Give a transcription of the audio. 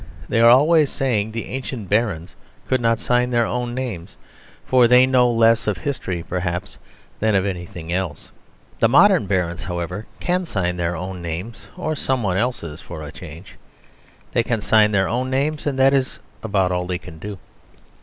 They are always saying the ancient barons could not sign their own names for they know less of history perhaps than of anything else. The modern barons, however, can sign their own names or someone else's for a change. They can sign their own names; and that is about all they can do.